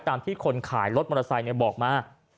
ตามที่คนขายรถมอเสยร์โปรกมา